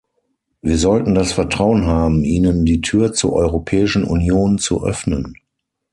Wir sollten das Vertrauen haben, ihnen die Tür zur Europäischen Union zu öffnen.